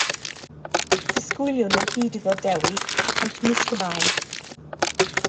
Disgwyliwn o hyd iddo dewi, ond nis gwnâi.